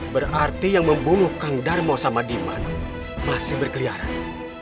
berarti yang membunuh kang darmo sama diman masih berkeliaran